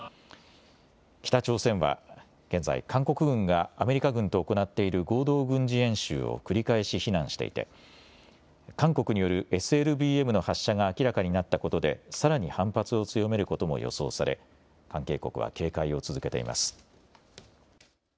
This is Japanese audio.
北朝鮮は現在、韓国軍がアメリカ軍と行っている合同軍事演習を繰り返し非難していて韓国によるＳＬＢＭの発射が明らかになったことでさらに反発を強めることも予想され関係国は警戒を続けています。